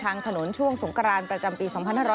ถนนช่วงสงกรานประจำปี๒๕๖๐